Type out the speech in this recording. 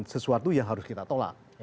sesuatu yang harus kita tolak